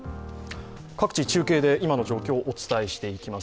各地、中継で今の状況をお伝えしていきます。